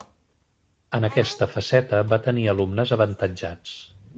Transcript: En aquesta faceta va tenir alumnes avantatjats.